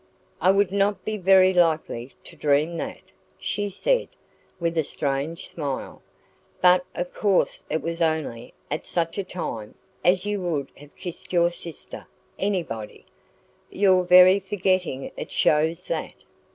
"I would not be very likely to dream that," she said, with a strange smile. "But of course it was only at such a time as you would have kissed your sister anybody. Your very forgetting it shows that."